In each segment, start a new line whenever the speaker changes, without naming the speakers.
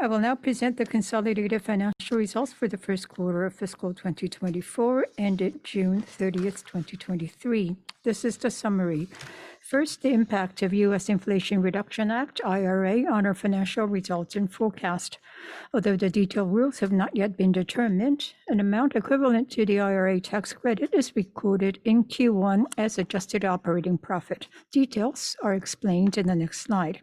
I will now present the consolidated financial results for the Q1 of Fiscal 2024, ended 30 June 2023. This is the summary. First, the impact of U.S. Inflation Reduction Act, IRA, on our financial results and forecast. Although the detailed rules have not yet been determined, an amount equivalent to the IRA tax credit is recorded in Q1 as adjusted operating profit. Details are explained in the next slide.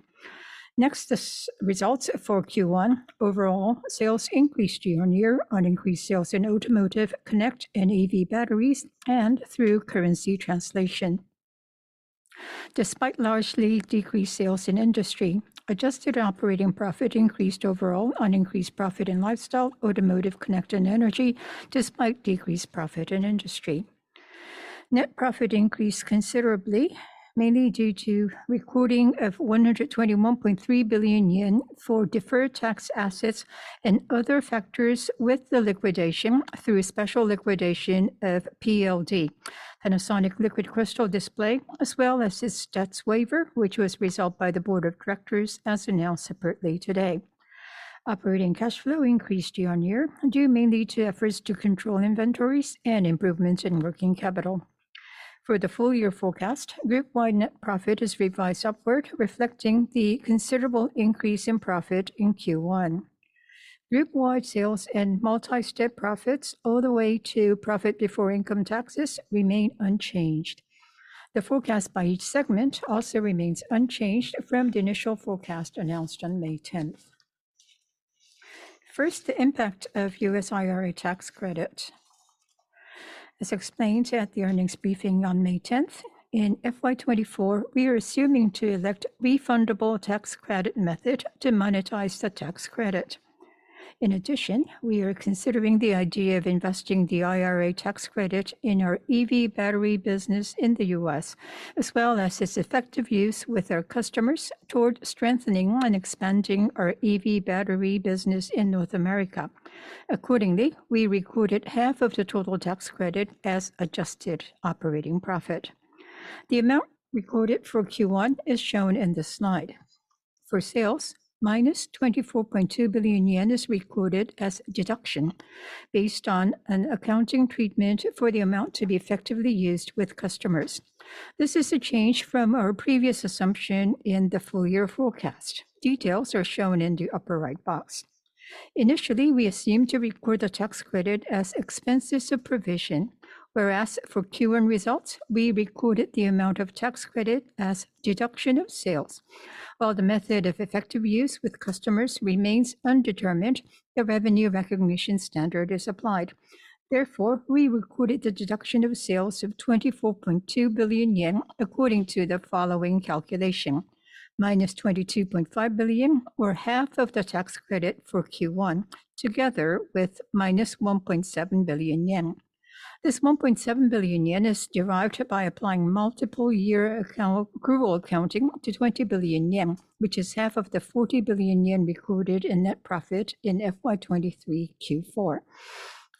Next, the results for Q1. Overall, sales increased year-over-year on increased sales in Automotive, Connect, and EV batteries, and through currency translation. Despite largely decreased sales in Industry, adjusted operating profit increased overall on increased profit in Lifestyle, Automotive, Connect, and Energy, despite decreased profit in Industry. Net profit increased considerably, mainly due to recording of 121.3 billion yen for deferred tax assets and other factors with the liquidation through a special liquidation of PLD, Panasonic Liquid Crystal Display, as well as its debts waiver, which was resolved by the board of directors, as announced separately today. Operating cash flow increased year-on-year, due mainly to efforts to control inventories and improvements in working capital. For the full year forecast, group-wide net profit is revised upward, reflecting the considerable increase in profit in Q1. Group-wide sales and multi-step profits all the way to profit before income taxes remain unchanged. The forecast by each segment also remains unchanged from the initial forecast announced on 10 May. First, the impact of US IRA tax credit. As explained at the earnings briefing on 10 May, in FY2024, we are assuming to elect refundable tax credit method to monetize the tax credit. In addition, we are considering the idea of investing the IRA tax credit in our EV battery business in the US, as well as its effective use with our customers toward strengthening and expanding our EV battery business in North America. Accordingly, we recorded half of the total tax credit as adjusted operating profit. The amount recorded for Q1 is shown in this slide. For sales, -24.2 billion yen is recorded as deduction based on an accounting treatment for the amount to be effectively used with customers. This is a change from our previous assumption in the full year forecast. Details are shown in the upper right box. Initially, we assumed to record the tax credit as expenses of provision, whereas for Q1 results, we recorded the amount of tax credit as deduction of sales. While the method of effective use with customers remains undetermined, the revenue recognition standard is applied. We recorded the deduction of sales of 24.2 billion yen, according to the following calculation: -22.5 billion, or half of the tax credit for Q1, together with -1.7 billion yen. This 1.7 billion yen is derived by applying multiple year account accrual accounting to 20 billion yen, which is half of the 40 billion yen recorded in net profit in FY2023 Q4.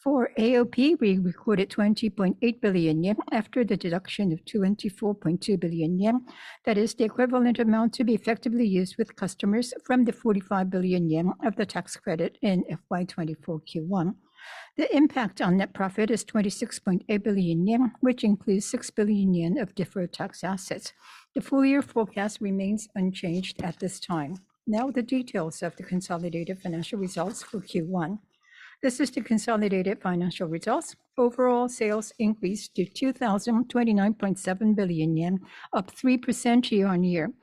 For AOP, we recorded 20.8 billion yen after the deduction of 24.2 billion yen, that is the equivalent amount to be effectively used with customers from the 45 billion yen of the tax credit in FY24 Q1. The impact on net profit is 26.8 billion yen, which includes 6 billion yen of deferred tax assets. The full year forecast remains unchanged at this time. Now, the details of the consolidated financial results for Q1. This is the consolidated financial results. Overall, sales increased to 2,029.7 billion yen, up 3% year-on-year.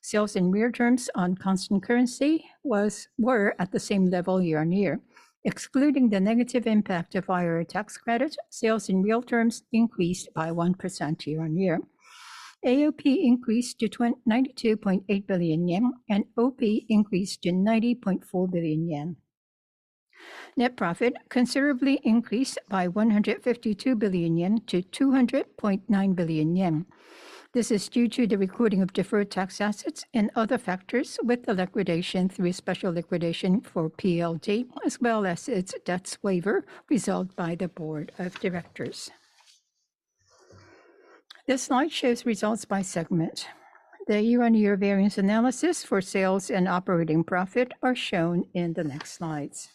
Sales in real terms on constant currency were at the same level year-on-year. Excluding the negative impact of IRA tax credit, sales in real terms increased by 1% year-on-year. AOP increased to 92.8 billion yen, and OP increased to 90.4 billion yen. Net profit considerably increased by 152 to 200.9 billion. This is due to the recording of deferred tax assets and other factors with the liquidation through a special liquidation for PLD, as well as its debts waiver resolved by the board of directors. This slide shows results by segment. The year-on-year variance analysis for sales and operating profit are shown in the next slides.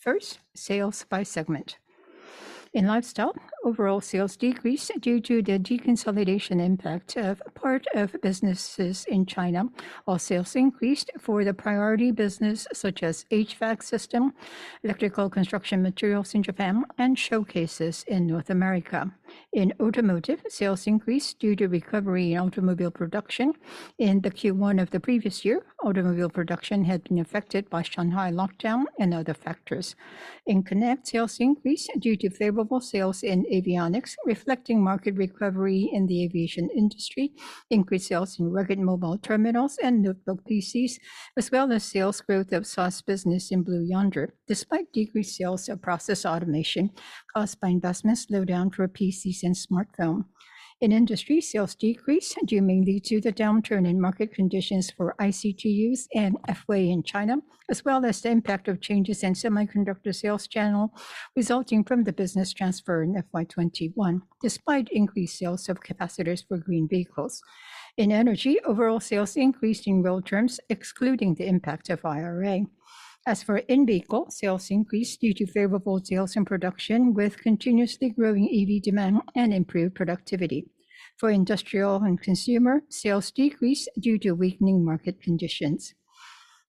First, sales by segment. In Lifestyle, overall sales decreased due to the deconsolidation impact of part of businesses in China, while sales increased for the priority business, such as HVAC system, electrical construction materials in Japan, and showcases in North America. In Automotive, sales increased due to recovery in automobile production. In the Q1 of the previous year, automobile production had been affected by Shanghai lockdown and other factors. In Connect, sales increased due to favorable sales in Avionics, reflecting market recovery in the aviation industry, increased sales in rugged mobile terminals and notebook PCs, as well as sales growth of SaaS business in Blue Yonder, despite decreased sales of Process Automation caused by investments slowdown for PCs and smartphone. In Industry, sales decreased due mainly to the downturn in market conditions for ICT use and FA in China, as well as the impact of changes in semiconductor sales channel resulting from the business transfer in FY2021, despite increased sales of capacitors for green vehicles. In Energy, overall sales increased in real terms, excluding the impact of IRA. As for in-vehicle, sales increased due to favorable sales and production, with continuously growing EV demand and improved productivity. For industrial and consumer, sales decreased due to weakening market conditions.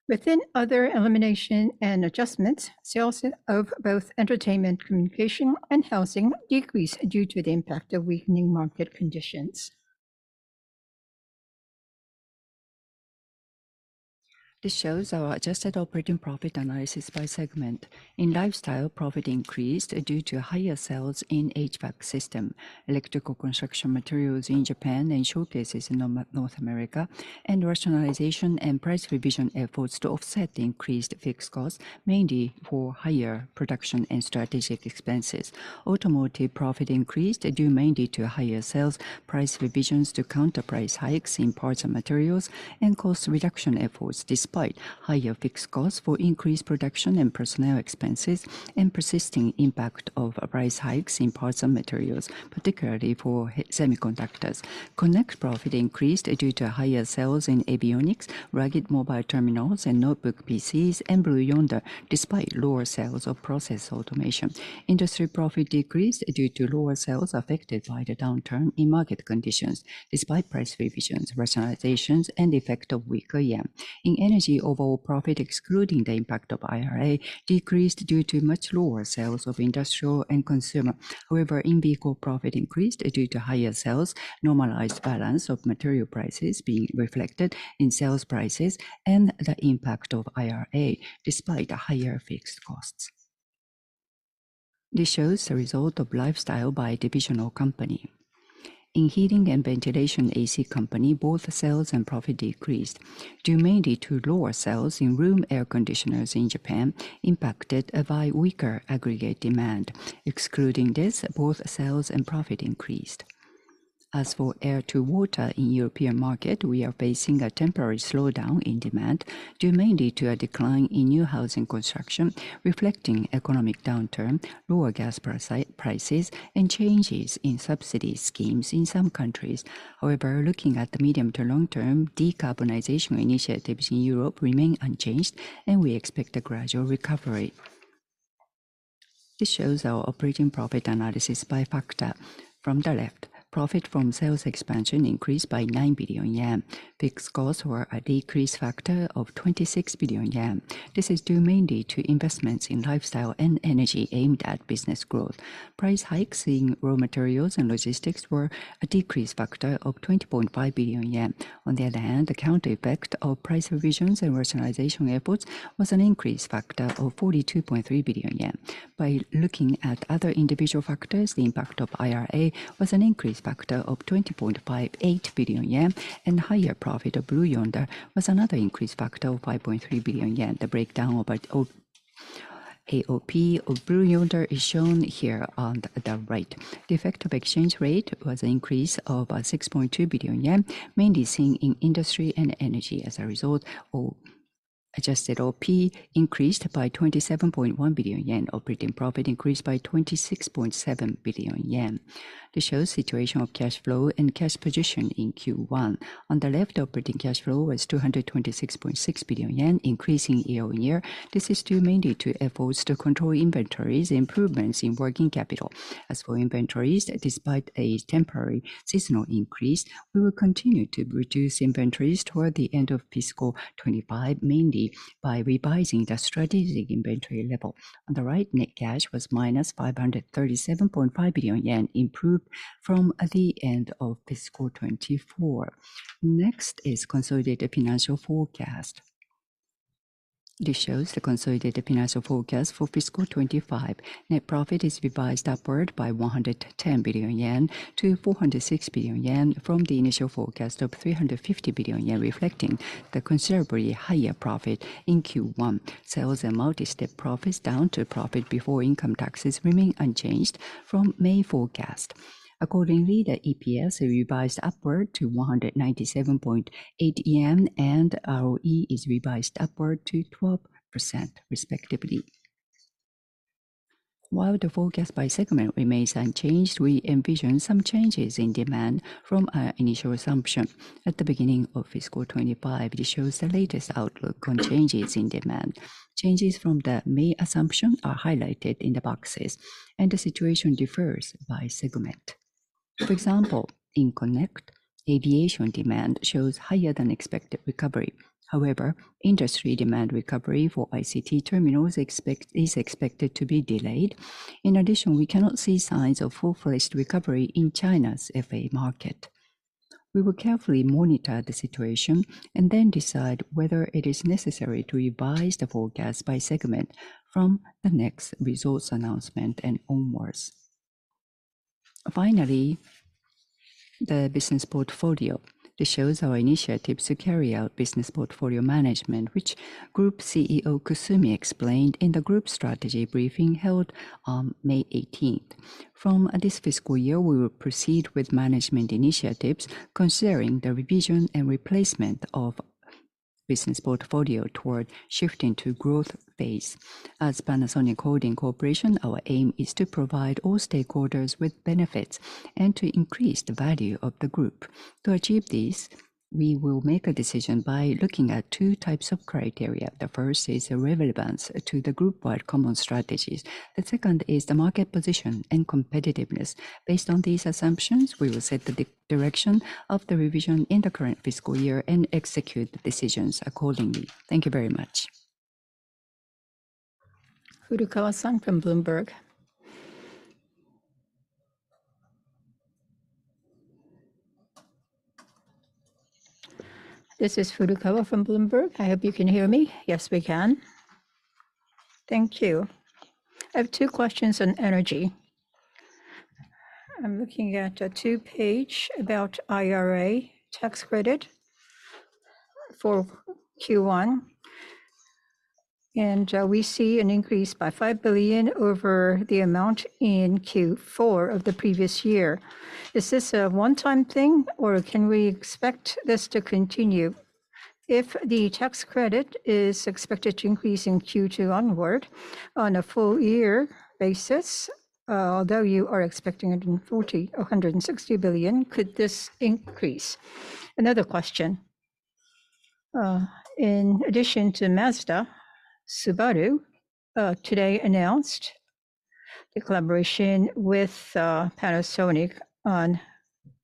Within other elimination and adjustments, sales of both entertainment, communication, and housing decreased due to the impact of weakening market conditions. This shows our adjusted operating profit analysis by segment. In Lifestyle, profit increased due to higher sales in HVAC system, electrical construction materials in Japan, and showcases in North America, and rationalization and price revision efforts to offset the increased fixed costs, mainly for higher production and strategic expenses. Automotive profit increased due mainly to higher sales, price revisions to counter price hikes in parts and materials, and cost reduction efforts, despite higher fixed costs for increased production and personnel expenses and persisting impact of price hikes in parts and materials, particularly for semiconductors. Connect profit increased due to higher sales in avionics, rugged mobile terminals, and notebook PCs, and Blue Yonder, despite lower sales of Process Automation. Industry profit decreased due to lower sales affected by the downturn in market conditions, despite price revisions, rationalizations, and effect of weaker yen. In Energy, overall profit, excluding the impact of IRA, decreased due to much lower sales of industrial and consumer. In-vehicle profit increased due to higher sales, normalized balance of material prices being reflected in sales prices, and the impact of IRA, despite higher fixed costs. This shows the result of Lifestyle by divisional company. In Heating & Ventilation A/C Company, both sales and profit decreased due mainly to lower sales in room air conditioners in Japan, impacted by weaker aggregate demand. Excluding this, both sales and profit increased. As for air-to-water in European market, we are facing a temporary slowdown in demand due mainly to a decline in new housing construction, reflecting economic downturn, lower gas prices, and changes in subsidy schemes in some countries. However, looking at the medium to long term, decarbonization initiatives in Europe remain unchanged, and we expect a gradual recovery. This shows our operating profit analysis by factor. From the left, profit from sales expansion increased by 9 billion yen. Fixed costs were a decrease factor of 26 billion yen. This is due mainly to investments in Lifestyle and Energy aimed at business growth. Price hikes in raw materials and logistics were a decrease factor of 20.5 billion yen. On the other hand, the counter effect of price revisions and rationalization efforts was an increase factor of 42.3 billion yen. By looking at other individual factors, the impact of IRA was an increase factor of 20.58 billion yen, and higher profit of Blue Yonder was another increase factor of 5.3 billion yen the breakdown of our AOP of Blue Yonder is shown here on the right. The effect of exchange rate was an increase of 6.2 billion yen, mainly seen in Industry and Energy. Our adjusted AOP increased by 27.1 billion yen. Operating profit increased by 26.7 billion yen. This shows situation of cash flow and cash position in Q1. On the left, operating cash flow was 226.6 billion yen, increasing year-on-year. This is due mainly to efforts to control inventories, improvements in working capital. As for inventories, despite a temporary seasonal increase, we will continue to reduce inventories toward the end of Fiscal 2025, mainly by revising the strategic inventory level. On the right, net cash was -537.5 billion yen, improved from the end of Fiscal 2024. Next is consolidated financial forecast. This shows the consolidated financial forecast for Fiscal 2025. Net profit is revised upward by 110 to 406 billion from the initial forecast of 350 billion yen, reflecting the considerably higher profit in Q1. Sales and multi-step profits down to profit before income taxes remain unchanged from May forecast. Accordingly, the EPS are revised upward to 197.8 yen, and ROE is revised upward to 12% respectively. While the forecast by segment remains unchanged, we envision some changes in demand from our initial assumption at the beginning of Fiscal 2025 this shows the latest outlook on changes in demand. Changes from the May assumption are highlighted in the boxes, and the situation differs by segment. For example, in Connect, aviation demand shows higher than expected recovery. However, industry demand recovery for ICT terminals is expected to be delayed. In addition, we cannot see signs of full-fledged recovery in China's FA market. We will carefully monitor the situation and then decide whether it is necessary to revise the forecast by segment from the next results announcement and onwards. Finally, the business portfolio. This shows our initiatives to carry out business portfolio management, which Group CEO Kusumi explained in the group strategy briefing held on 18 May. From this fiscal year, we will proceed with management initiatives considering the revision and replacement of business portfolio toward shifting to growth phase. As Panasonic Holdings Corporation, our aim is to provide all stakeholders with benefits and to increase the value of the group. To achieve this, we will make a decision by looking at two types of criteria the first is the relevance to the group-wide common strategies. The second is the market position and competitiveness. Based on these assumptions, we will set the direction of the revision in the current fiscal year and execute the decisions accordingly. Thank you very much.
Furukawa-san from Bloomberg.
This is Furukawa from Bloomberg. I hope you can hear me?
Yes, we can.
Thank you. I have two questions on energy. I'm looking at, two page about IRA tax credit for Q1, and we see an increase by 5 billion over the amount in Q4 of the previous year. Is this a one-time thing, or can we expect this to continue? If the tax credit is expected to increase in Q2 onward on a full year basis, although you are expecting it in 40 billion or 160 billion, could this increase? Another question. In addition to Mazda, Subaru today announced the collaboration with Panasonic on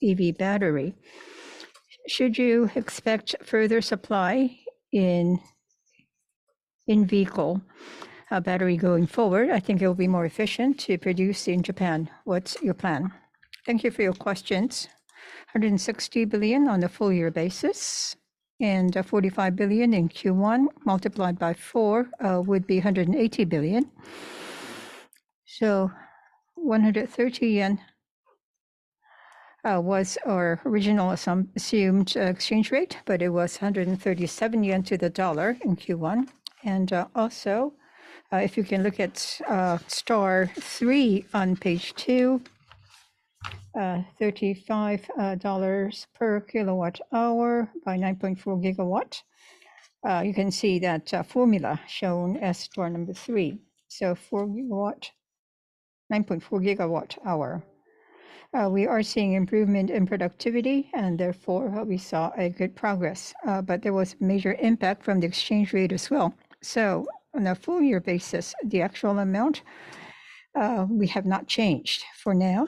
EV battery. Should you expect further supply in, in vehicle battery going forward? I think it will be more efficient to produce in Japan. What's your plan? Thank you for your questions.
160 billion on a full year basis, 45 billion in Q1 multiplied by four would be 180 billion. 130 yen was our original assumed exchange rate, but it was 137 yen to the dollar in Q1. Also, if you can look at star three on page two, $35 per kilowatt hour by 9.4 GW. You can see that formula shown as star number 3. 4 GW. 9.4 GW hour. We are seeing improvement in productivity, and therefore, we saw a good progress. There was major impact from the exchange rate as well. On a full year basis, the actual amount we have not changed for now.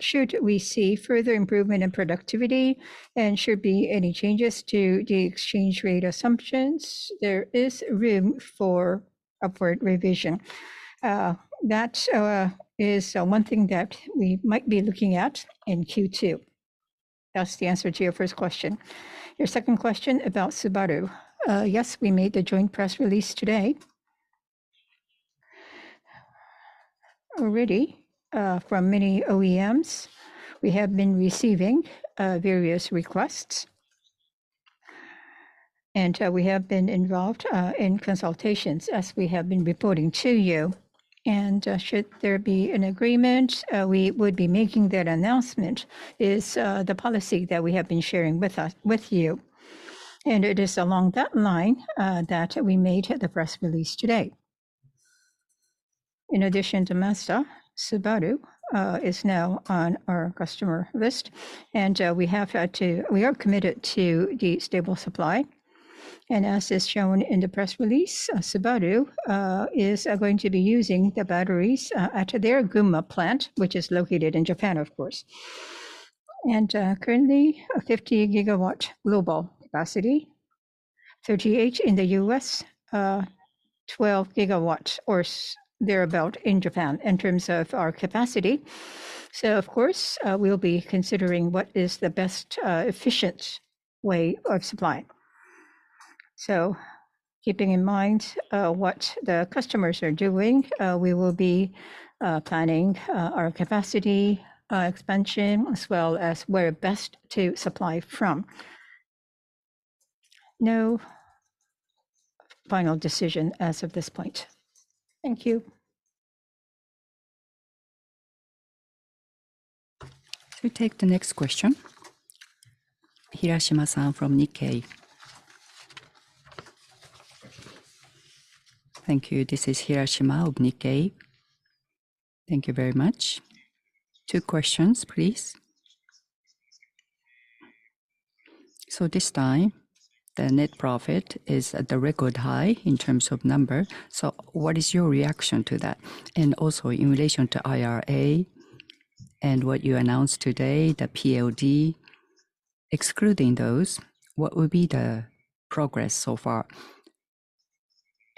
Should we see further improvement in productivity and should be any changes to the exchange rate assumptions, there is room for upward revision. That is one thing that we might be looking at in Q2. That's the answer to your first question. Your second question about Subaru. Yes, we made the joint press release today. Already, from many OEMs, we have been receiving various requests, and we have been involved in consultations as we have been reporting to you. Should there be an agreement, we would be making that announcement, is the policy that we have been sharing with you, and it is along that line that we made the press release today. In addition to Mazda, Subaru is now on our customer list, and we have to... We are committed to the stable supply. As is shown in the press release, Subaru is going to be using the batteries at their Gunma plant, which is located in Japan, of course. Currently, 50 GW global capacity, 38 GW in the U.S., 12 GW or thereabout in Japan in terms of our capacity. Of course, we'll be considering what is the best, efficient way of supplying. Keeping in mind, what the customers are doing, we will be planning our capacity expansion, as well as where best to supply from. No final decision as of this point. Thank you.
We take the next question. Hirashima-san from Nikkei.
Thank you. This is Hirashima of Nikkei.
Thank you very much. Two questions, please.
This time, the net profit is at a record high in terms of number. What is your reaction to that? In relation to IRA and what you announced today, the POD, excluding those, what would be the progress so far?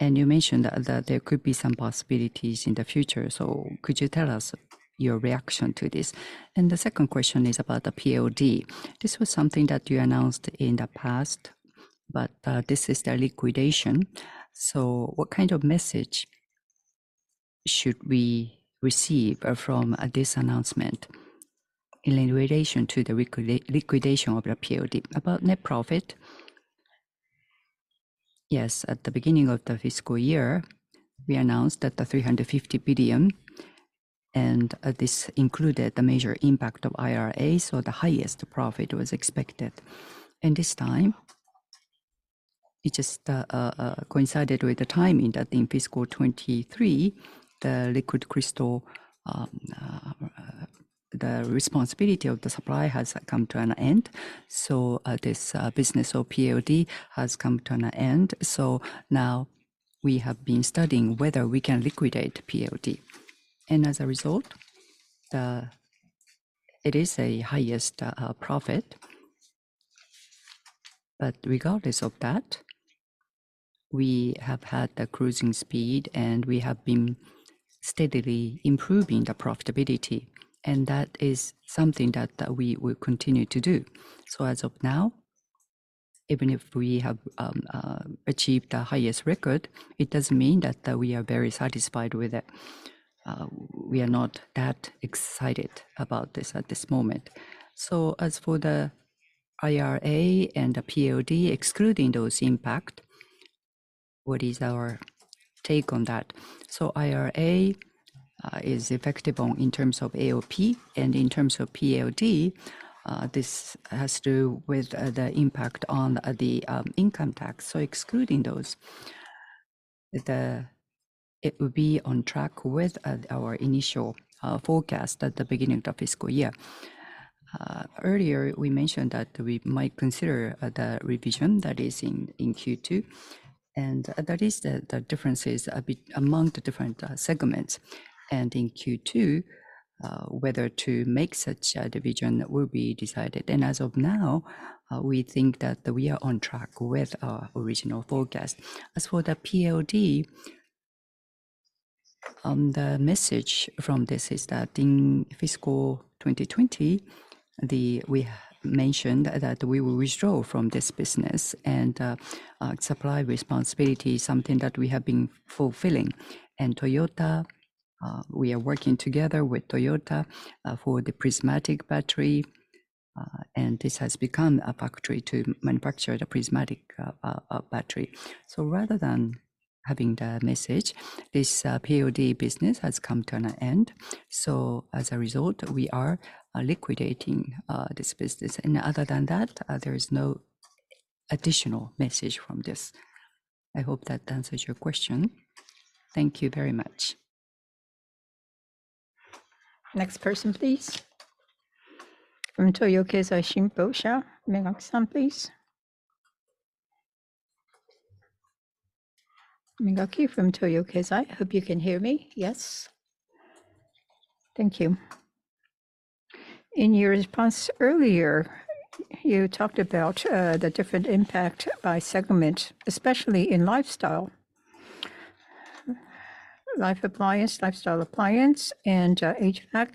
You mentioned that, that there could be some possibilities in the future, so could you tell us your reaction to this? The second question is about the POD. This was something that you announced in the past, but this is the liquidation. What kind of message should we receive from this announcement in relation to the liquidation of the POD? About net profit.
Yes, at the beginning of the fiscal year, we announced that the 350 billion, this included the major impact of IRA, so the highest profit was expected. This time, it just coincided with the timing that in Fiscal 2023, the liquid crystal, the responsibility of the supply has come to an end. This business or POD has come to an end. Now we have been studying whether we can liquidate POD. As a result, it is a highest profit. Regardless of that, we have had a cruising speed, and we have been steadily improving the profitability, and that is something that we will continue to do. As of now, even if we have achieved the highest record, it doesn't mean that, that we are very satisfied with it. We are not that excited about this at this moment. As for the IRA and the POD, excluding those impact, what is our take on that? IRA is effective on, in terms of AOP, and in terms of POD, this has to do with the impact on the income tax excluding those, it will be on track with our initial forecast at the beginning of the fiscal year. Earlier, we mentioned that we might consider the revision that is in Q2, and that is the differences a bit among the different segments. In Q2, whether to make such a division will be decided as of now, we think that we are on track with our original forecast. As for the POD, the message from this is that in Fiscal 2020, we mentioned that we will withdraw from this business, supply responsibility is something that we have been fulfilling. Toyota, we are working together with Toyota for the prismatic battery, and this has become a factory to manufacture the prismatic battery. Rather than having the message, this POD business has come to an end, so as a result, we are liquidating this business. Other than that, there is no additional message from this. I hope that answers your question. Thank you very much.
Next person, please. From Toyo Keizai Shimbunsha, please. Mingaki from Toyo Keizai. Hope you can hear me. Yes? Thank you.
In your response earlier, you talked about the different impact by segment, especially in Lifestyle. Life appliance, Lifestyle appliance, and HVAC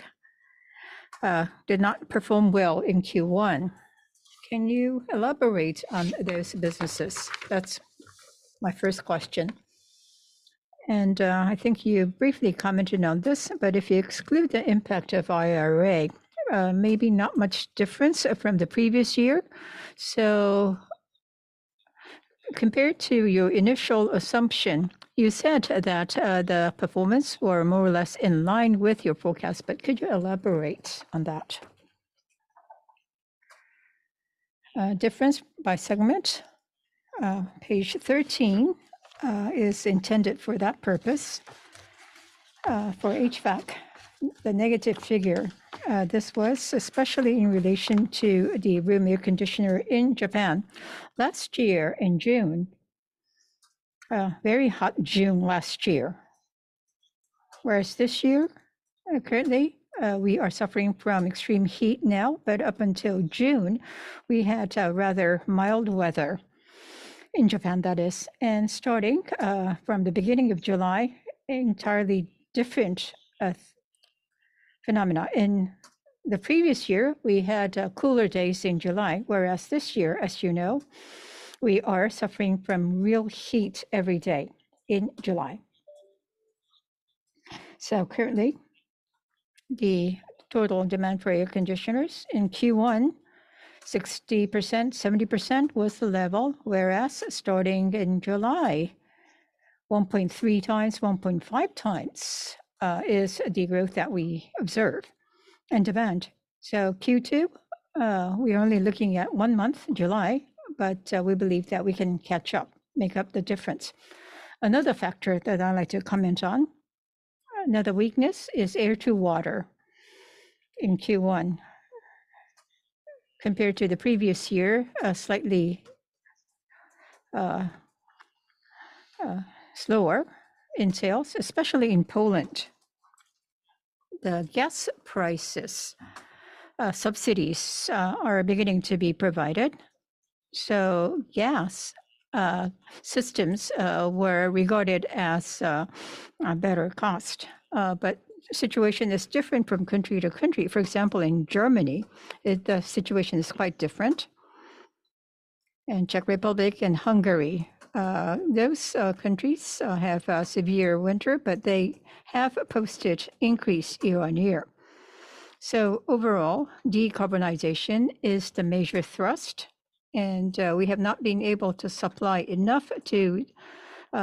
did not perform well in Q1. Can you elaborate on those businesses? That's my first question. I think you briefly commented on this, but if you exclude the impact of IRA, maybe not much difference from the previous year. Compared to your initial assumption, you said that the performance were more or less in line with your forecast, but could you elaborate on that?
Difference by segment, page 13, is intended for that purpose. For HVAC, the negative figure, this was especially in relation to the room air conditioner in Japan. Last year in June, a very hot June last year, whereas this year, currently, we are suffering from extreme heat now, but up until June, we had a rather mild weather. In Japan, that is. Starting from the beginning of July, entirely different phenomena. In the previous year, we had cooler days in July, whereas this year, as you know, we are suffering from real heat every day in July. Currently, the total demand for air conditioners in Q1, 60%, 70% was the level, whereas starting in July, 1.3x, 1.5x is the growth that we observe in demand. Q2, we are only looking at one month, July, but we believe that we can catch up, make up the difference. Another factor that I'd like to comment on, another weakness, is air-to-water in Q1. Compared to the previous year, slightly slower in sales, especially in Poland. The gas prices, subsidies, are beginning to be provided. Gas systems were regarded as a better cost. Situation is different from country to country. For example, in Germany, the situation is quite different. -Czech Republic and Hungary, those countries have a severe winter, they have posted increase year-over-year. Overall, decarbonization is the major thrust. We have not been able to supply enough to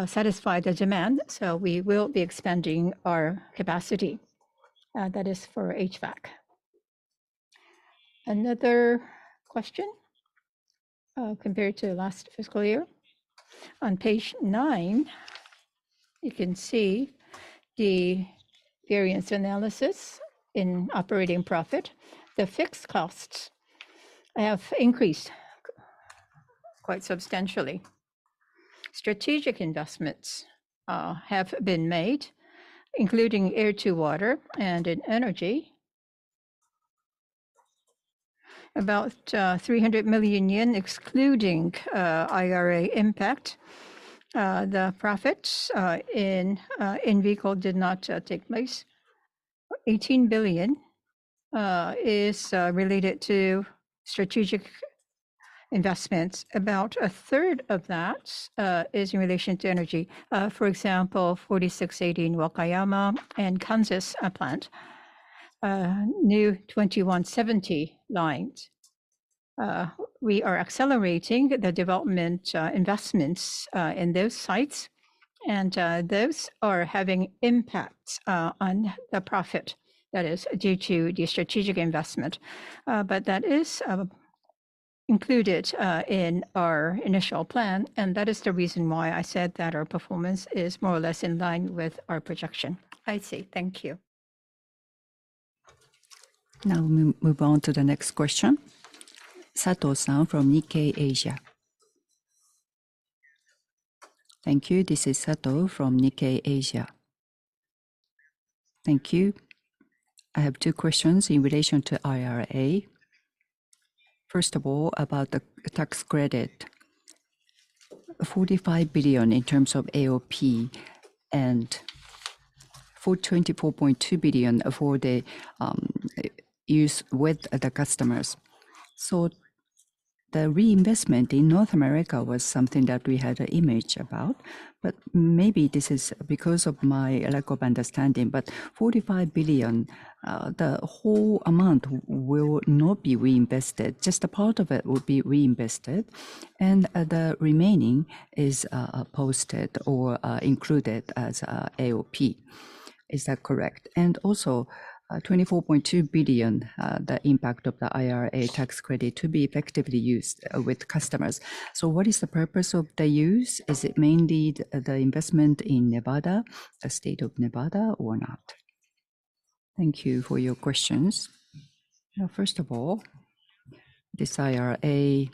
satisfy the demand. We will be expanding our capacity. That is for HVAC. Another question, compared to last fiscal year, on page nine, you can see the variance analysis in operating profit. The fixed costs have increased quite substantially. Strategic investments have been made, including air-to-water and in energy-... About 300 million yen, excluding IRA impact. The profits in in vehicle did not take place. 18 billion is related to strategic investments. About a third of that is in relation to energy. For example, 4680 Wakayama and Kansas plant, new 2170 lines. We are accelerating the development investments in those sites, and those are having impacts on the profit that is due to the strategic investment. That is included in our initial plan, and that is the reason why I said that our performance is more or less in line with our projection.
I see. Thank you.
Now we move on to the next question. Sato-san from Nikkei Asia.
Thank you. This is Sato from Nikkei Asia. Thank you. I have two questions in relation to IRA. First of all, about the tax credit. 45 billion in terms of AOP and for 24.2 billion for the use with the customers. The reinvestment in North America was something that we had an image about, but maybe this is because of my lack of understanding. 45 billion, the whole amount will not be reinvested, just a part of it will be reinvested, and the remaining is posted or included as AOP. Is that correct? Also, 24.2 billion, the impact of the IRA tax credit to be effectively used with customers. What is the purpose of the use? Is it mainly the investment in Nevada, the state of Nevada, or not?
Thank you for your questions. First of all, this IRA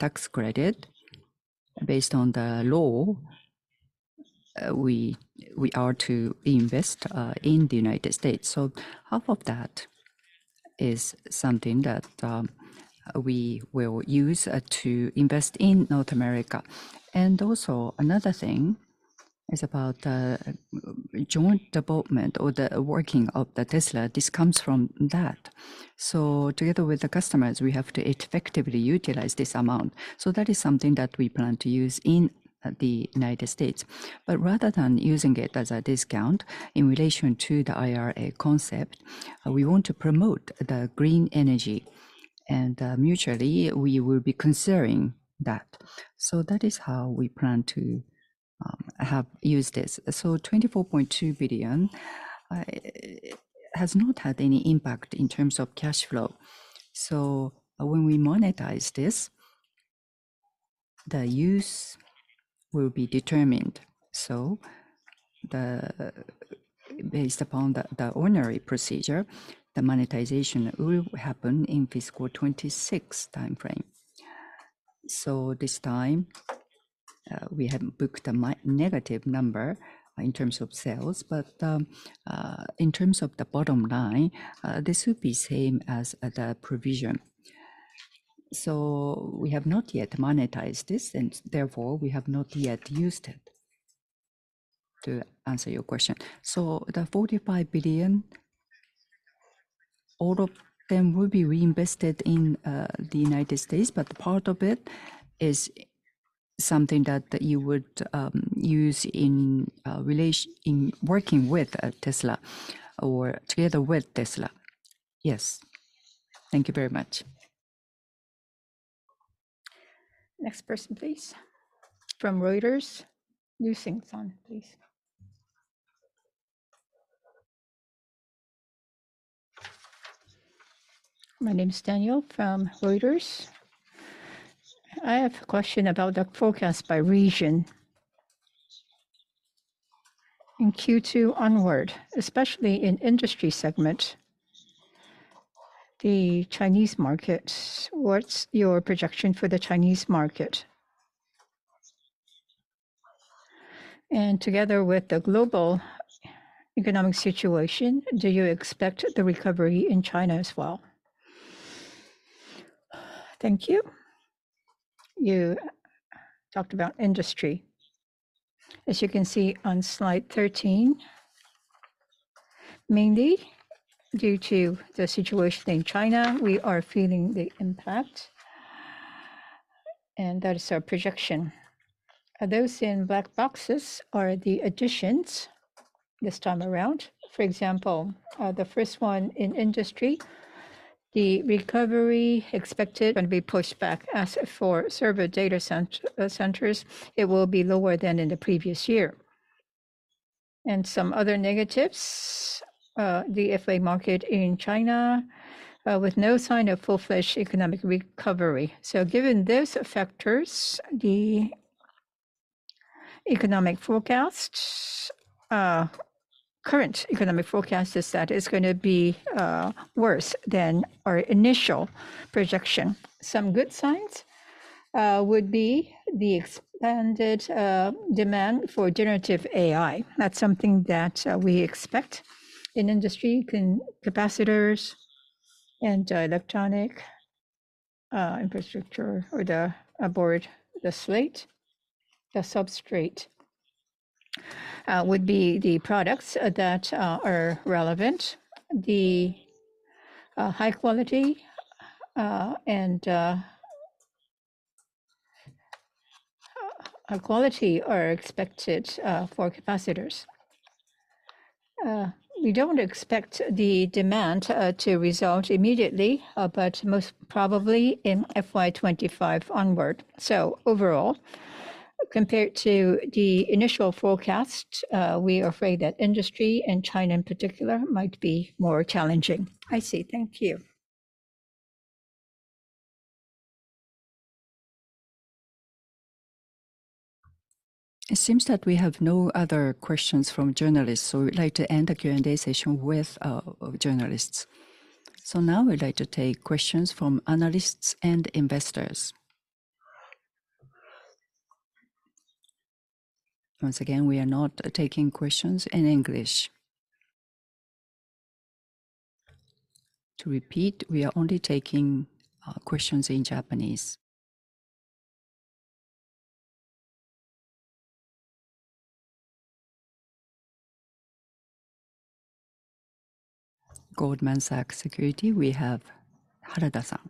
tax credit, based on the law, we are to invest in the United States. Half of that is something that we will use to invest in North America. Also, another thing is about the joint development or the working of the Tesla. This comes from that. Together with the customers, we have to effectively utilize this amount, so that is something that we plan to use in the United States. Rather than using it as a discount in relation to the IRA concept, we want to promote the green energy, and mutually we will be considering that. That is how we plan to have use this. 24.2 billion has not had any impact in terms of cash flow. When we monetize this, the use will be determined. The, based upon the, the ordinary procedure, the monetization will happen in Fiscal 26 timeframe. This time, we have booked a negative number in terms of sales, but in terms of the bottom line, this will be same as the provision. We have not yet monetized this, and therefore, we have not yet used it, to answer your question. The 45 billion, all of them will be reinvested in the United States, but part of it is something that, that you would use in relation... in working with Tesla or together with Tesla.
Yes. Thank you very much.
Next person, please. From Reuters, [inaudible] please.
My name is Daniel from Reuters. I have a question about the forecast by region. In Q2 onward, especially in Industry segment, the Chinese market, what's your projection for the Chinese market? Together with the global economic situation, do you expect the recovery in China as well?
Thank you. You talked about Industry. As you can see on slide 13, mainly due to the situation in China, we are feeling the impact, and that is our projection. Those in black boxes are the additions this time around. For example, the first one in Industry, the recovery expected gonna be pushed back as for server data centers, it will be lower than in the previous year. Some other negatives, the FA market in China, with no sign of full-fledged economic recovery. Given these factors, the economic forecast, current economic forecast is that it's gonna be worse than our initial projection. Some good signs?... would be the expanded demand for generative AI. That's something that we expect in industry in capacitors and electronic infrastructure or the board substrate. The substrate would be the products that are relevant. The high quality and quality are expected for capacitors. We don't expect the demand to result immediately, but most probably in FY2025 onward. Overall, compared to the initial forecast, we are afraid that industry and China in particular, might be more challenging.
I see. Thank you.
It seems that we have no other questions from journalists, so we'd like to end the Q&A session with our, our journalists. Now we'd like to take questions from analysts and investors. Once again, we are not taking questions in English. To repeat, we are only taking questions in Japanese. Goldman Sachs Securities, we have Harada-san.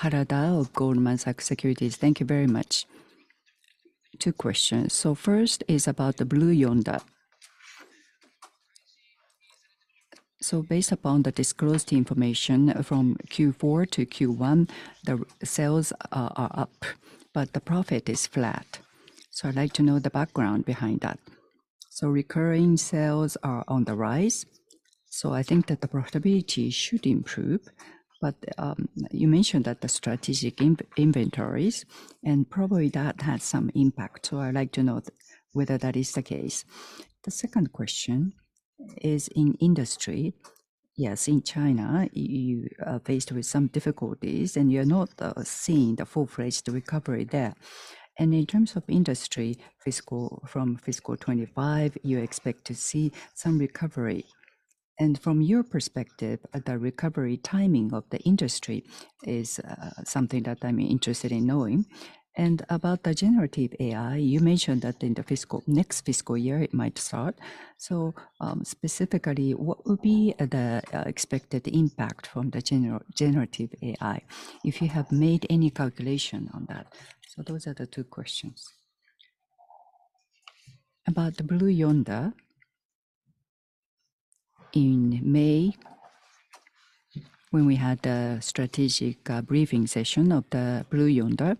Harada of Goldman Sachs Securities, thank you very much.
Two questions. First is about the Blue Yonder. Based upon the disclosed information from Q4 to Q1, the sales are up, but the profit is flat, so I'd like to know the background behind that. Recurring sales are on the rise, so I think that the profitability should improve. You mentioned that the strategic inventories, and probably that had some impact, so I'd like to know whether that is the case. The second question is in industry. Yes, in China, you are faced with some difficulties, and you're not seeing the full-fledged recovery there. In terms of industry, from Fiscal 2025, you expect to see some recovery. From your perspective, the recovery timing of the industry is something that I'm interested in knowing. About the generative AI, you mentioned that in the fiscal next fiscal year, it might start. Specifically, what would be the expected impact from the generative AI? if you have made any calculation on that? Those are the two questions.
About the Blue Yonder, in May, when we had the strategic briefing session of the Blue Yonder,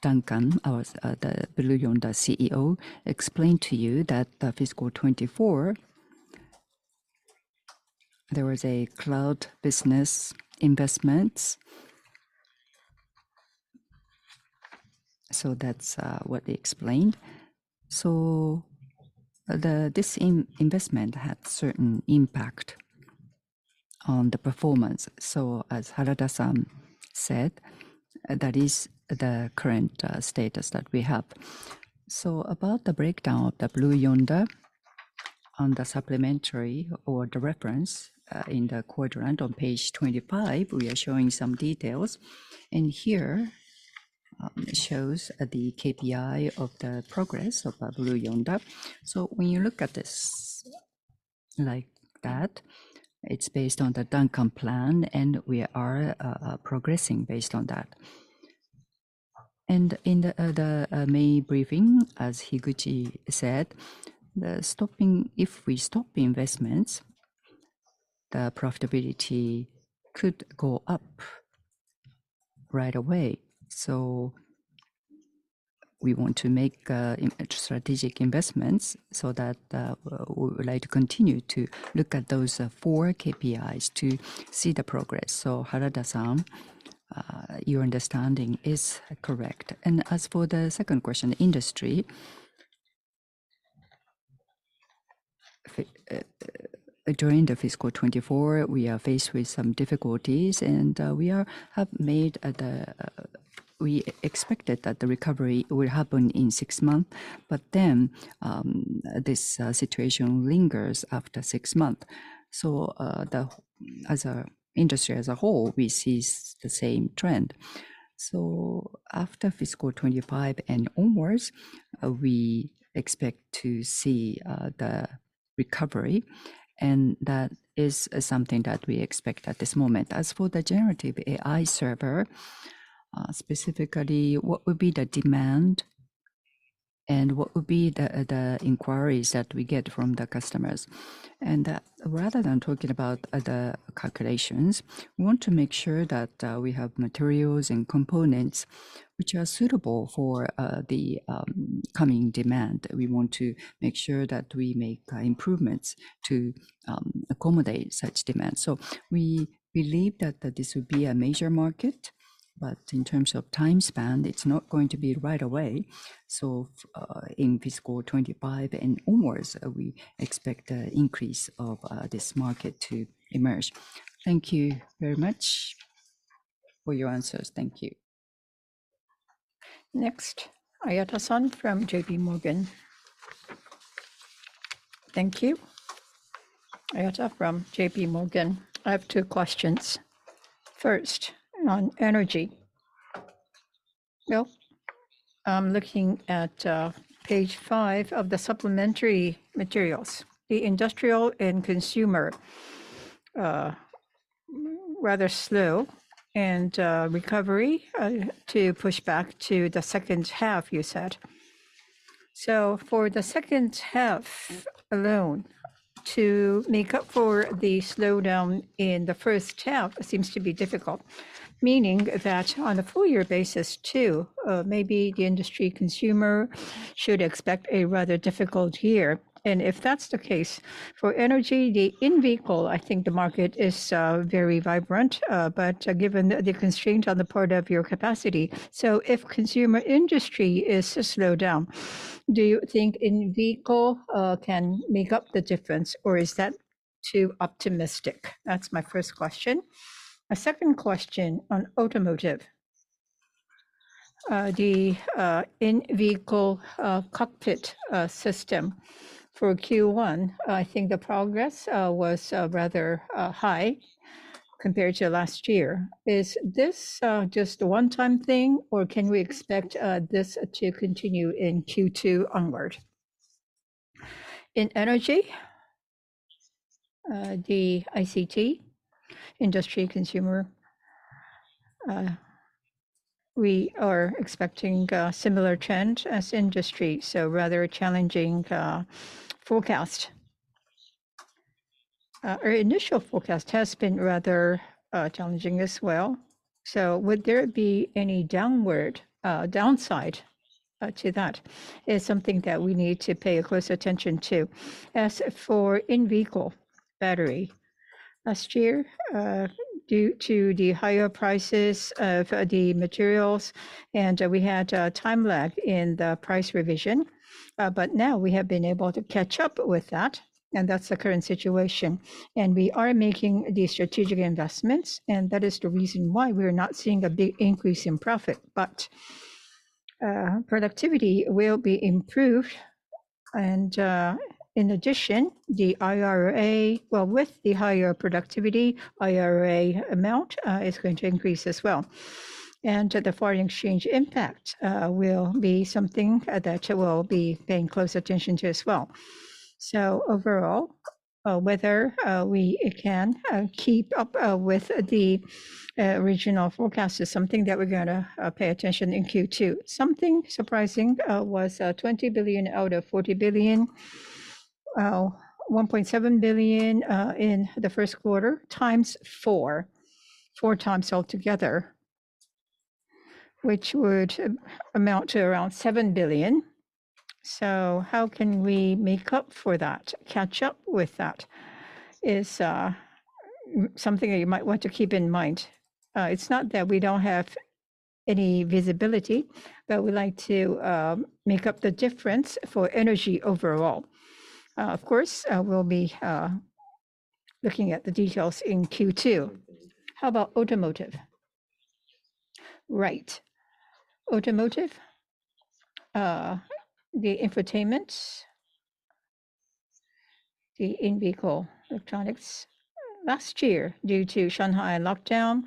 Duncan, our the Blue Yonder CEO, explained to you that the fiscal 2024, there was a cloud business investment. That's what he explained. The, this investment had certain impact on the performance. As Harada-san said, that is the current status that we have. About the breakdown of the Blue Yonder on the supplementary or the reference, in the quadrant on page 25, we are showing some details. Here, it shows the KPI of the progress of the Blue Yonder. When you look at this like that, it's based on the Duncan plan, and we are progressing based on that. In the May briefing, as Higuchi said, the stopping-- If we stop the investments, the profitability could go up right away. We want to make strategic investments so that we would like to continue to look at those four KPIs to see the progress. Harada-san, your understanding is correct as for the second question, industry, during the Fiscal 2024, we are faced with some difficulties, and we have made the... We expected that the recovery would happen in six months, but then, this situation lingers after six months. As a industry as a whole, we see the same trend. After Fiscal 2025 and onwards, we expect to see the recovery, and that is something that we expect at this moment as for the generative AI server, specifically, what would be the demand and what would be the inquiries that we get from the customers? Rather than talking about the calculations, we want to make sure that we have materials and components which are suitable for the coming demand. We want to make sure that we make improvements to accommodate such demand. We believe that this would be a major market. In terms of time span, it's not going to be right away. In Fiscal 2025 and onwards, we expect a increase of this market to emerge.
Thank you very much for your answers. Thank you.
Next, Ayata-san from JP Morgan.
Thank you. Ayada from JPMorgan. I have two questions. First, on energy. Well, I'm looking at page five of the supplementary materials. The industrial and consumer, rather slow, and recovery to push back to the second half, you said. For the second half alone, to make up for the slowdown in the first half seems to be difficult, meaning that on a full year basis, too, maybe the industry consumer should expect a rather difficult year. If that's the case, for energy, the in-vehicle, I think the market is very vibrant, but given the constraint on the part of your capacity... If consumer industry is slowed down, do you think in-vehicle can make up the difference, or is that too optimistic? That's my first question. A second question on Automotive: the in-vehicle cockpit system for Q1, I think the progress was rather high compared to last year. Is this just a one-time thing, or can we expect this to continue in Q2 onward?
In energy, the ICT, industry consumer, we are expecting a similar trend as industry, so rather a challenging forecast. Our initial forecast has been rather challenging as well, so would there be any downward downside to that is something that we need to pay close attention to. As for in-vehicle battery, last year, due to the higher prices of the materials, and we had a time lag in the price revision, but now we have been able to catch up with that, and that's the current situation. We are making these strategic investments, and that is the reason why we're not seeing a big increase in profit. Productivity will be improved, and, in addition, the IRA. With the higher productivity, IRA amount is going to increase as well. The foreign exchange impact will be something that we'll be paying close attention to as well. Overall, whether we can keep up with the regional forecast is something that we're gonna pay attention in Q2. Something surprising was $20 billion out of $40 billion, $1.7 billion in the Q1, times four, four times all together, which would amount to around $7 billion. How can we make up for that, catch up with that, is something that you might want to keep in mind. It's not that we don't have any visibility, but we'd like to make up the difference for energy overall. Of course, we'll be looking at the details in Q2.
How about Automotive?
Right. Automotive, the infotainment, the in-vehicle electronics, last year, due to Shanghai lockdown,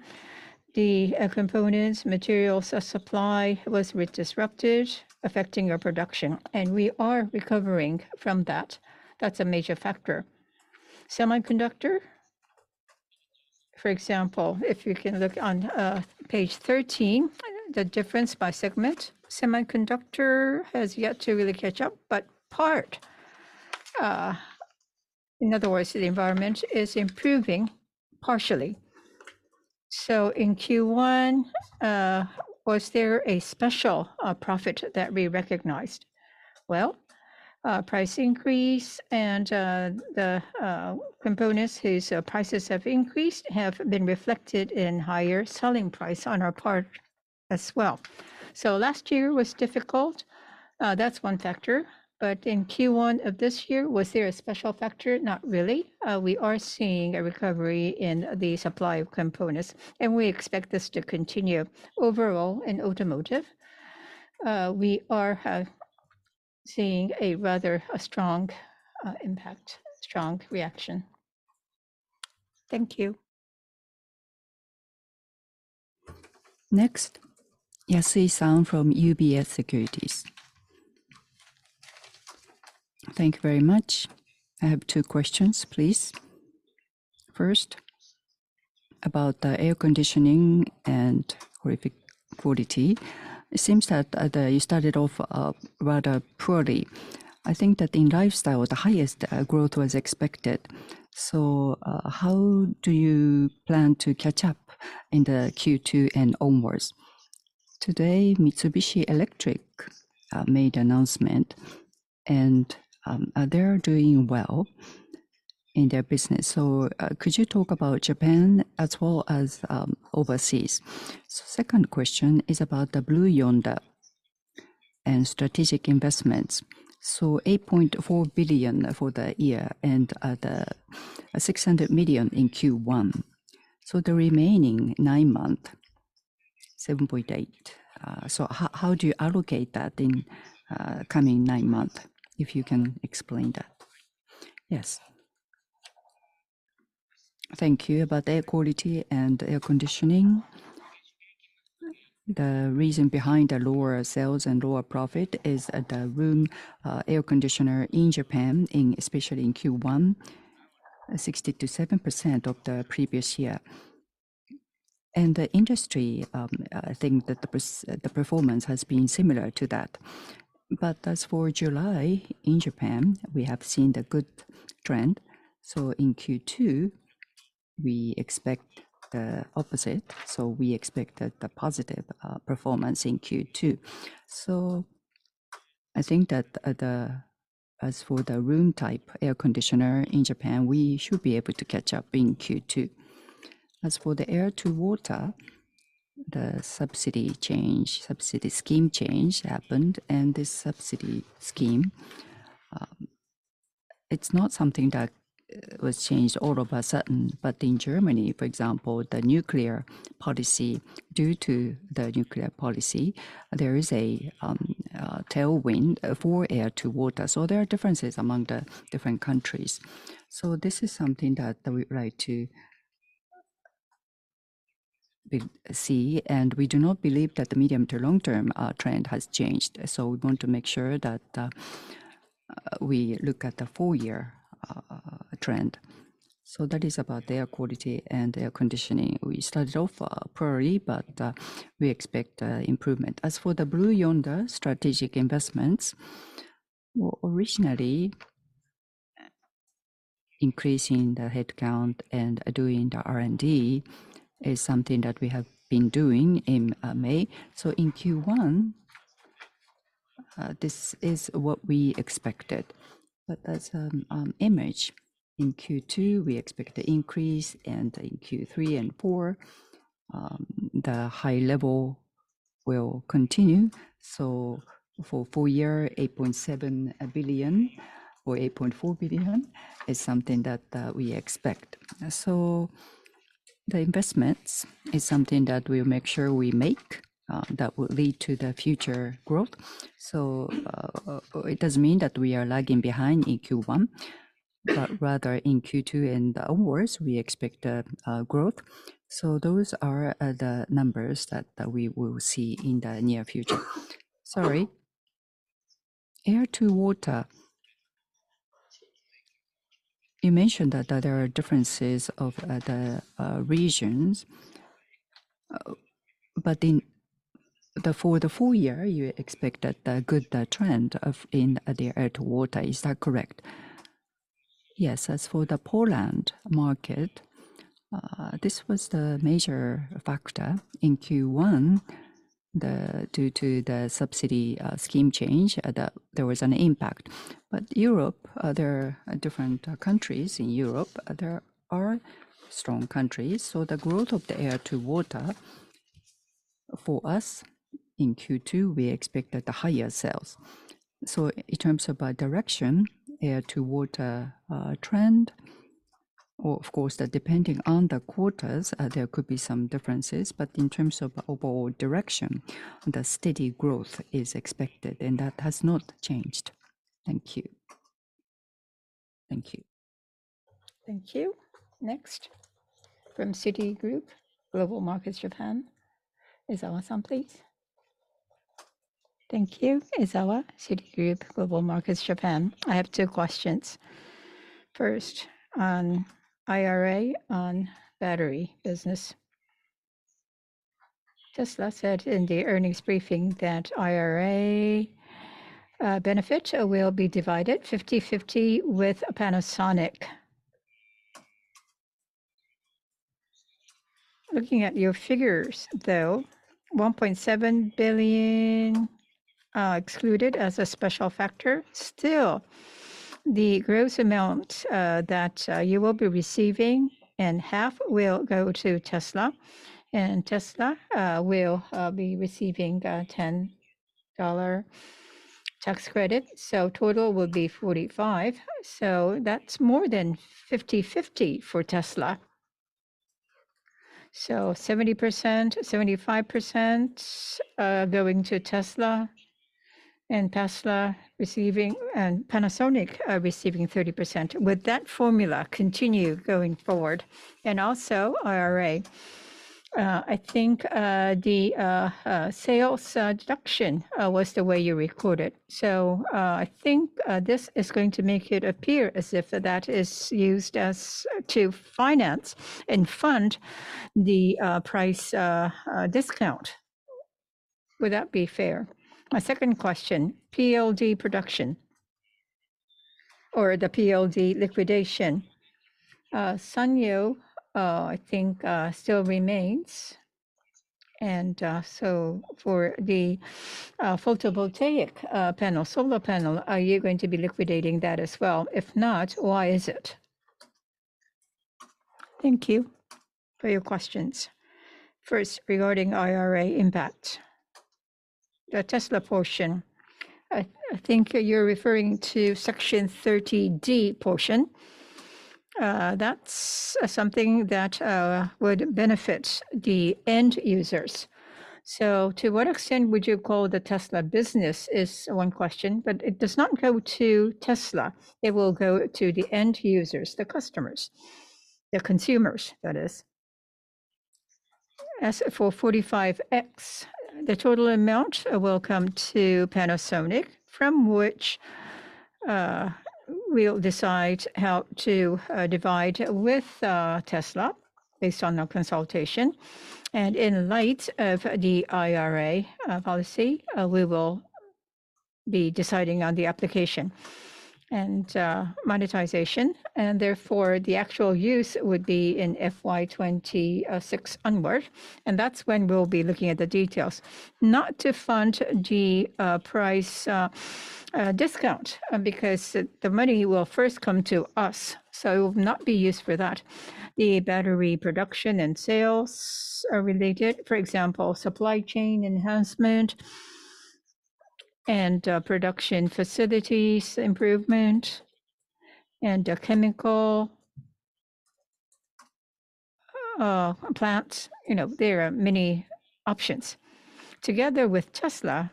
the components, materials, supply was really disrupted, affecting our production, and we are recovering from that. That's a major factor. Semiconductor, for example, if you can look on page 13, the difference by segment, semiconductor has yet to really catch up, but part... In other words, the environment is improving partially. In Q1, was there a special profit that we recognized? Well, price increase and the components whose prices have increased have been reflected in higher selling price on our part as well. Last year was difficult. That's one factor. In Q1 of this year, was there a special factor? Not really. We are seeing a recovery in the supply of components, and we expect this to continue. Overall, in automotive, we are seeing a rather, a strong, impact, strong reaction. Thank you.
Yaseen San from UBS Securities.
Thank you very much. I have two questions, please. First, about the air conditioning and quality. It seems that you started off rather poorly. I think that in Lifestyle, the highest growth was expected. How do you plan to catch up in the Q2 and onwards? Today, Mitsubishi Electric made announcement, and they're doing well in their business. Could you talk about Japan as well as overseas? Second question is about the Blue Yonder and strategic investments. 8.4 billion for the year and 600 million in Q1, so the remaining nine-month, 7.8 billion. How, how do you allocate that in coming nine months? If you can explain that.
Yes. Thank you. About air quality and air conditioning, the reason behind the lower sales and lower profit is at the room air conditioner in Japan, especially in Q1, 60%-70% of the previous year. The Industry, I think that the performance has been similar to that. As for July, in Japan, we have seen the good trend, so in Q2, we expect the opposite, so we expect a positive performance in Q2. I think that as for the room-type air conditioner in Japan, we should be able to catch up in Q2. As for the air-to-water, the subsidy change, subsidy scheme change happened. This subsidy scheme, it's not something that was changed all of a sudden. In Germany, for example, the nuclear policy, due to the nuclear policy, there is a tailwind for air-to-water. There are differences among the different countries. This is something that, that we would like to see, and we do not believe that the medium to long-term trend has changed we want to make sure that we look at the full year trend. That is about the air quality and air conditioning we started off poorly, but we expect improvement as for the Blue Yonder strategic investments, well, originally, increasing the headcount and doing the R&D is something that we have been doing in May. In Q1, this is what we expected. As image, in Q2, we expect the increase, and in Q3 and Q4, the high level will continue. For full year, 8.7 billion or 8.4 billion is something that we expect. The investments is something that we'll make sure we make that will lead to the future growth. It doesn't mean that we are lagging behind in Q1, but rather in Q2 and onwards, we expect a growth. Those are the numbers that we will see in the near future.
Sorry. air-to-water. You mentioned that there are differences of the regions, but for the full year, you expected a good trend of in the air-to-water. Is that correct?
Yes. As for the Poland market, this was the major factor in Q1, due to the subsidy scheme change, There was an impact. Europe, other different countries in Europe, there are strong countries, so the growth of the air-to-water for us in Q2, we expected the higher sales. In terms of a direction, air-to-water trend, or of course, depending on the quarters, there could be some differences, but in terms of overall direction, the steady growth is expected, and that has not changed. Thank you.
Thank you.
Thank you. Next, from Citigroup Global Markets Japan, Izawa-san, please.
Thank you. Izawa, Citigroup Global Markets Japan. I have two questions. First, on IRA, on battery business. Tesla said in the earnings briefing that IRA benefit will be divided 50/50 with Panasonic. Looking at your figures though, 1.7 billion excluded as a special factor, still, the gross amount that you will be receiving and half will go to Tesla, and Tesla will be receiving a $10 tax credit, so total will be $45. That's more than 50/50 for Tesla. 70%, 75% going to Tesla, and Tesla receiving... and Panasonic receiving 30%. Would that formula continue going forward? Also, IRA, I think the sales deduction was the way you recorded. I think this is going to make it appear as if that is used as to finance and fund the price discount. Would that be fair? My second question: PLG production, or the PLD liquidation. Sanyo, I think, still remains. So for the photovoltaic panel, solar panel, are you going to be liquidating that as well? If not, why is it?
Thank you for your questions. First, regarding IRA impact, the Tesla portion, I, I think you're referring to Section 30D portion. That's something that would benefit the end users. So to what extent would you call the Tesla business is one question, but it does not go to Tesla. It will go to the end users, the customers, the consumers, that is. As for 45X, the total amount will come to Panasonic, from which we'll decide how to divide with Tesla based on our consultation. In light of the IRA policy, we will be deciding on the application and monetization, and therefore, the actual use would be in FY2026 onward, and that's when we'll be looking at the details. Not to fund the price discount, because the money will first come to us, so it will not be used for that. The battery production and sales are related, for example, supply chain enhancement and production facilities improvement and chemical plants. You know, there are many options. Together with Tesla,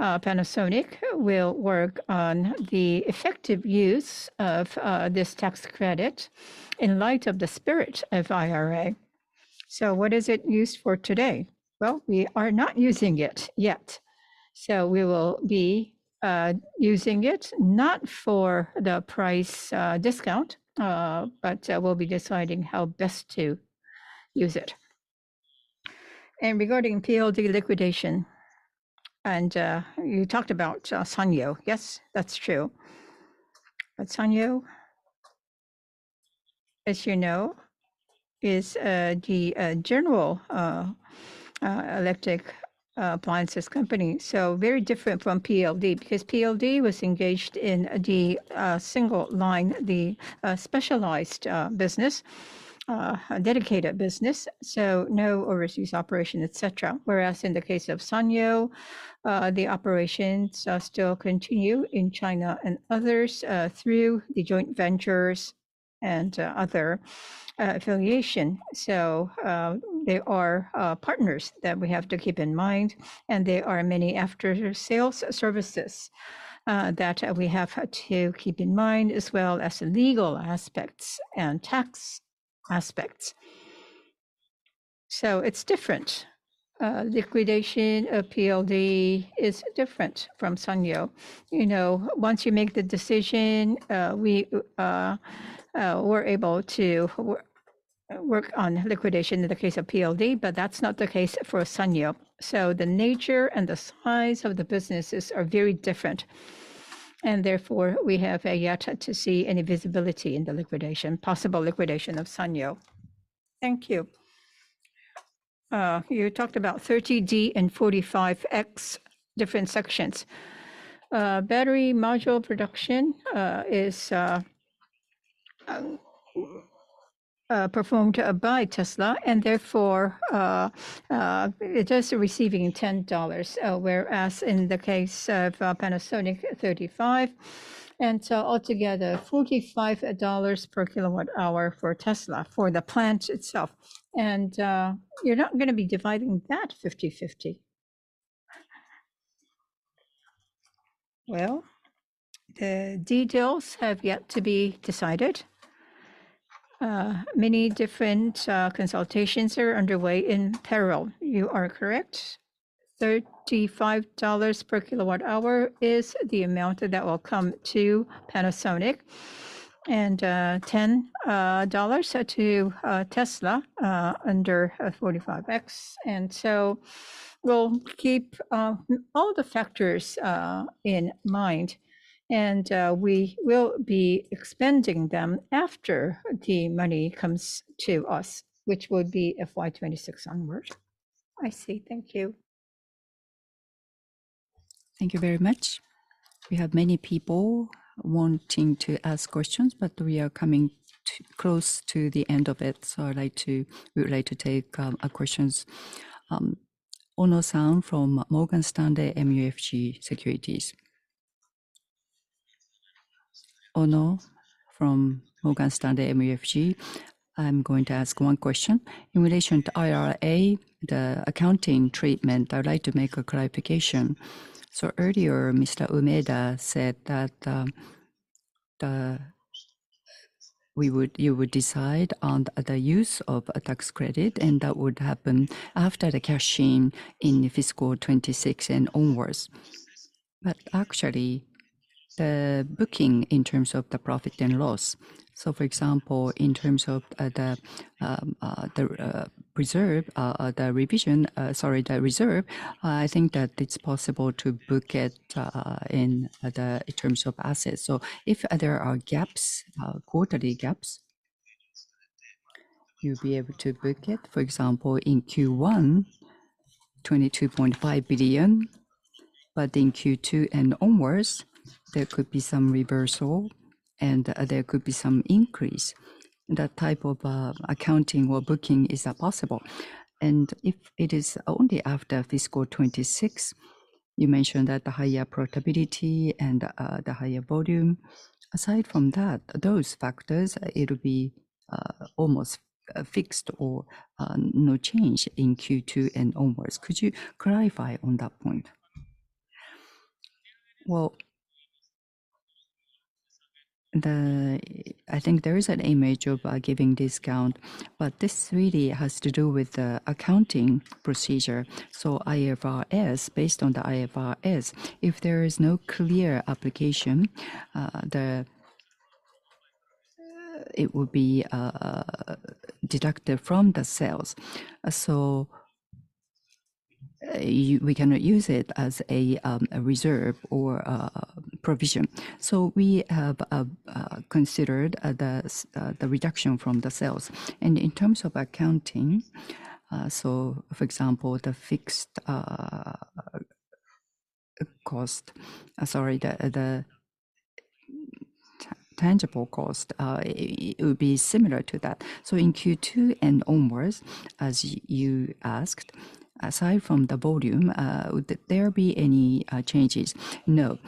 Panasonic will work on the effective use of this tax credit in light of the spirit of IRA. What is it used for today? Well, we are not using it yet. We will be using it, not for the price discount, but we'll be deciding how best to use it. Regarding PLD liquidation, you talked about Sanyo. Yes, that's true. Sanyo, as you know, is the general electric appliances company, so very different from PLD because PLD was engaged in the single line, the specialized business, a dedicated business, so no overseas operation, et cetera whereas in the case of Sanyo, the operations still continue in China and others, through the joint ventures and other affiliation. There are partners that we have to keep in mind, and there are many after-sales services that we have to keep in mind, as well as the legal aspects and tax aspects. It's different. Liquidation of PLD is different from Sanyo. You know, once you make the decision, we're able to work on liquidation in the case of PLD, but that's not the case for Sanyo. The nature and the size of the businesses are very different, and therefore, we have yet to see any visibility in the liquidation, possible liquidation of Sanyo.
Thank you. You talked about 30D and 45X, different sections. Battery module production is performed by Tesla, and therefore, it is receiving $10, whereas in the case of Panasonic, $35, and so altogether, $45 per kilowatt hour for Tesla, for the plant itself. You're not gonna be dividing that 50/50?
Well, the details have yet to be decided. Many different consultations are underway in parallel. You are correct. $35 per kilowatt hour is the amount that will come to Panasonic, and $10 to Tesla, under Section 45X. So we'll keep all the factors in mind, and we will be expending them after the money comes to us, which would be FY2026 onwards.
I see. Thank you.
Thank you very much. We have many people wanting to ask questions, but we are coming to close to the end of it, so I'd like to. We would like to take questions. Ono-san from Morgan Stanley MUFG Securities.
Ono from Morgan Stanley MUFG. I'm going to ask one question. In relation to IRA, the accounting treatment, I'd like to make a clarification. Earlier, Mr. Umeda said that you would decide on the use of a tax credit, and that would happen after the cashing in Fiscal 2026 and onwards. Actually, the booking in terms of the profit and loss, for example, in terms of the reserve, the revision, sorry, the reserve, I think that it's possible to book it in terms of assets. If there are gaps, quarterly gaps, you'll be able to book it, for example, in Q1, 22.5 billion. In Q2 and onwards, there could be some reversal and there could be some increase. That type of accounting or booking, is that possible? If it is only after Fiscal 2026, you mentioned that the higher profitability and the higher volume. Aside from that, those factors, it'll be almost fixed or no change in Q2 and onwards. Could you clarify on that point?
Well, the, I think there is an image of giving discount, but this really has to do with the accounting procedure. IFRS, based on the IFRS, if there is no clear application, the, it would be deducted from the sales. You, we cannot use it as a reserve or a provision. We have considered the reduction from the sales. In terms of accounting, so for example, the fixed cost, sorry, the tangible cost, it would be similar to that. In Q2 and onwards, as you asked, aside from the volume, would there be any changes? No.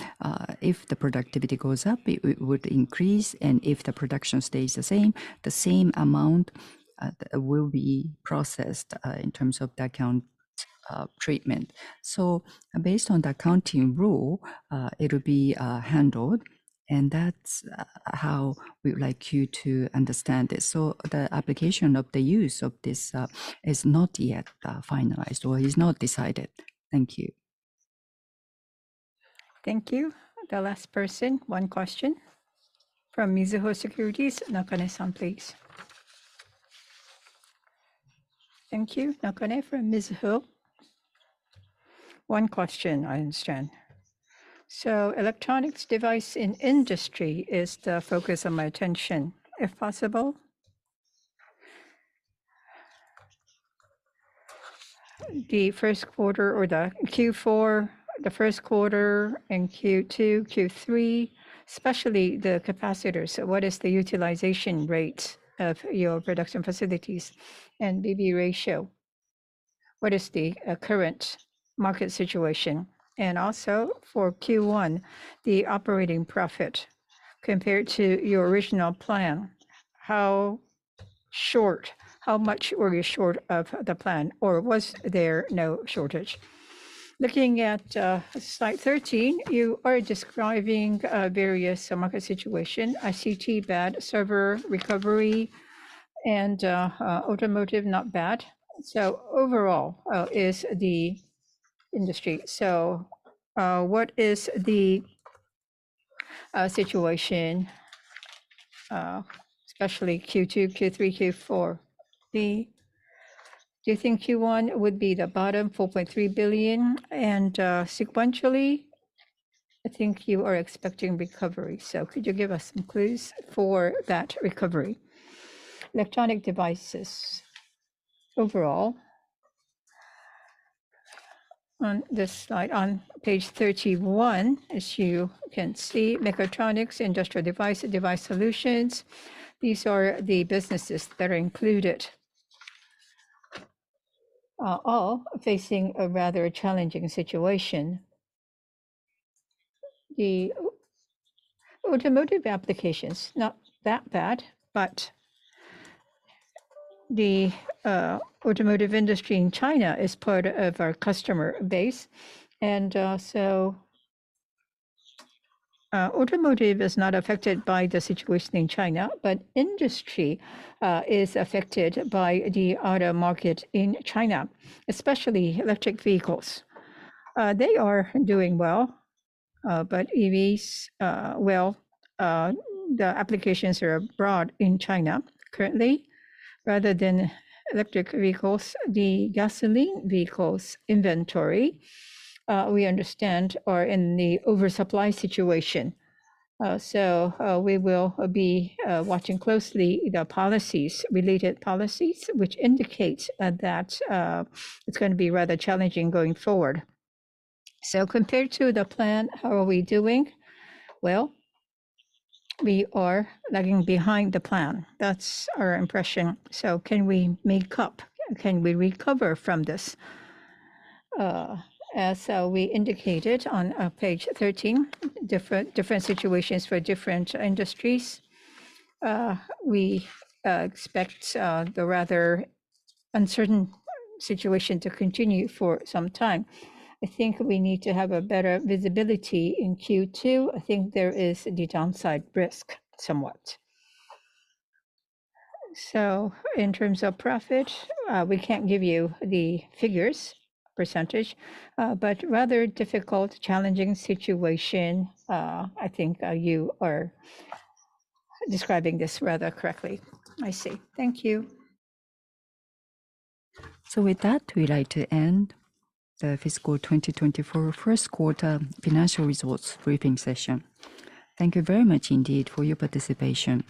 If the productivity goes up, it, it would increase, and if the production stays the same, the same amount, will be processed, in terms of the account, treatment. Based on the accounting rule, it'll be handled, and that's how we would like you to understand it. The application of the use of this, is not yet, finalized or is not decided. Thank you.
Thank you. The last person, one question from Mizuho Securities, Nakane-san, please.
Thank you. Nakane from Mizuho. One question, I understand. Electronics device in Industry is the focus of my attention, if possible. The Q1 or the Q4, the Q1 and Q2, Q3, especially the capacitors, what is the utilization rate of your production facilities and dB ratio? What is the current market situation? Also, for Q1, the operating profit compared to your original plan, how short, how much were you short of the plan, or was there no shortage? Looking at slide 13, you are describing various market situation, ICT bad, server recovery, and automotive not bad. Overall, is the Industry... what is the situation, especially Q2, Q3, Q4? Do you think Q1 would be the bottom, 4.3 billion? Sequentially, I think you are expecting recovery, so could you give us some clues for that recovery?
Electronic devices overall. On this slide, on page 31, as you can see, Mechatronics, Industrial Device, Device Solutions, these are the businesses that are included. Are all facing a rather challenging situation. The automotive applications, not that bad, but the automotive industry in China is part of our customer base, so automotive is not affected by the situation in China, but Industry is affected by the auto market in China, especially electric vehicles. They are doing well, but EVs, well, the applications are abroad in China currently, rather than electric vehicles the gasoline vehicles inventory, we understand, are in the oversupply situation. We will be watching closely the policies, related policies, which indicates that it's going to be rather challenging going forward. Compared to the plan, how are we doing? Well, we are lagging behind the plan. That's our impression. Can we make up? Can we recover from this? As we indicated on page 13, different, different situations for different industries, we expect the rather uncertain situation to continue for some time. I think we need to have a better visibility in Q2. I think there is the downside risk, somewhat. In terms of profit, we can't give you the figures, percentage, but rather difficult, challenging situation, I think, you are describing this rather correctly.
I see. Thank you.
With that, we'd like to end the Fiscal Year 2024 Q1 financial results briefing session. Thank you very much indeed for your participation.